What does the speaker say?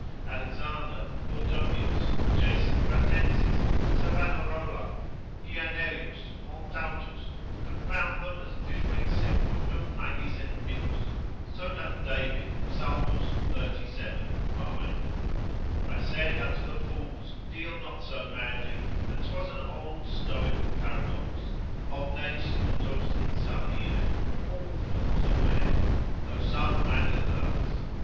Alexander, Gordonius, Jason Pratensis, Savanarola, Guianerius, Montaltus, confound them as differing secundum magis et minus; so doth David, Psal. xxxvii. 5. I said unto the fools, deal not so madly, and 'twas an old Stoical paradox, omnes stultos insanire, all fools are mad, though some madder than others.